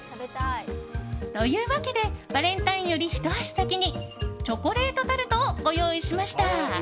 というわけでバレンタインよりひと足先にチョコレートタルトをご用意しました。